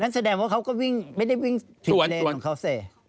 นั่นแสดงว่าเขาไม่ได้วิ่งผิดเลนของเขาสิ